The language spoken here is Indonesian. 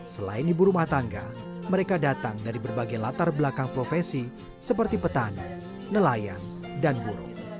selain ibu rumah tangga mereka datang dari berbagai latar belakang profesi seperti petani nelayan dan buruh